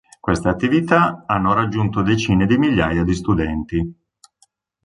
Queste attività hanno raggiunto decine di migliaia di studenti.